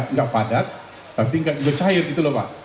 tidak padat tapi juga cair gitu loh pak